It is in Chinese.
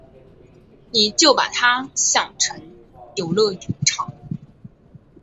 你就把他想成游乐场